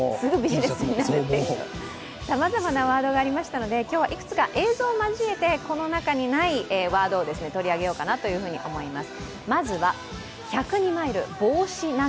さまざまなワードがありましたので、今日はいくつか映像を交えてこの中にないワードを取り上げようかなと思います。